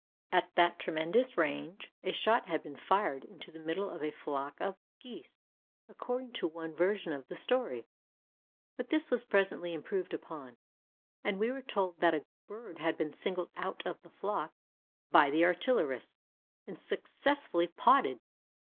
At that tremendous range, a shot had been fired into the middle of a flock of geese, according to one version of the story; but this was presently improved upon, and we were told that a bird had been singled out of the flock by the artillerists and successfully 'potted.